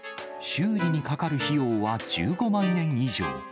修理にかかる費用は１５万円以上。